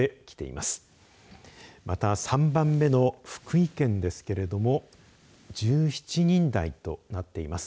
また、３番目の福井県ですけれども１７人台となっています。